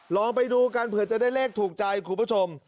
ลองไปดูกันเผื่อจะได้เลขถูกใจคุณผู้ชม